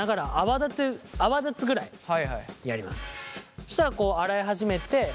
そしたらこう洗い始めてまあ